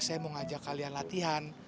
saya mau ngajak kalian latihan